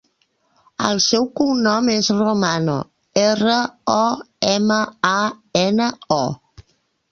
El seu cognom és Romano: erra, o, ema, a, ena, o.